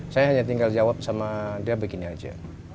saya hanya tinggal jawab sama dia begini aja